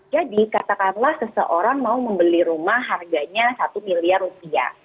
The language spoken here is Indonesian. jadi katakanlah seseorang mau membeli rumah harganya satu miliar rupiah